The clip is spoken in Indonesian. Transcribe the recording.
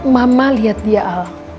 mama liat dia al